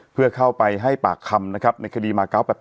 เพื่อเข้าไปให้ปากคำกฎีมาร์๙๘๘